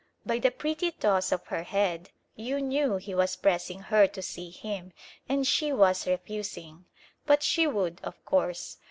By the pretty toss of her head you knew he was pressing her to see him, and she was refusing. But she would, of course.